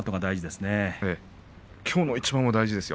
きょうの一番、大事です。